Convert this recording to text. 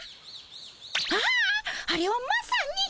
あああれはまさに。